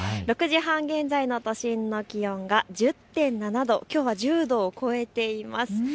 ６時半現在の都心の気温が１０．７度、きょうは１０度を超えています。